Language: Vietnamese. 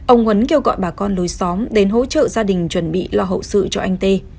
ông huấn kêu gọi bà con lối xóm đến hỗ trợ gia đình chuẩn bị lo hậu sự cho anh tê